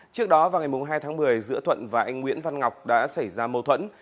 trước đó vào ngày hai tháng một mươi giữa thuận và anh nguyễn văn ngọc đã xảy ra mâu thuẫn